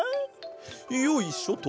よいしょと。